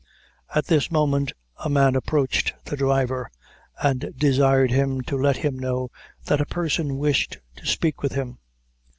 At this moment a man approached the driver, and desired him to let him know that a person wished to speak with him.